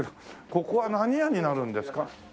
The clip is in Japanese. ここは何屋になるんですか？